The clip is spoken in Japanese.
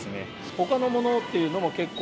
ほかのものというのも、結構？